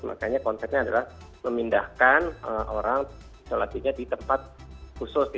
makanya konsepnya adalah memindahkan orang isolasinya di tempat khusus